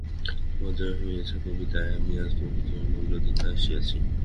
তোমারই জয় হইয়াছে, কবি, তাই আমি আজ তোমাকে জয়মাল্য দিতে আসিয়াছি।